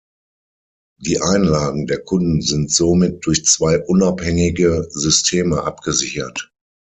Die Einlagen der Kunden sind somit durch zwei unabhängige Systeme abgesichert.